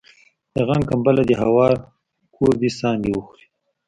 د غم کمبله دي هواره کور دي ساندي وخوري